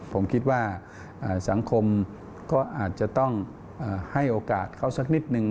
ผมคิดว่าสังคมก็อาจจะต้องให้โอกาสเขาสักนิดนึง